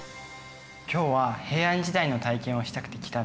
今日は平安時代の体験をしたくて来たんですけど。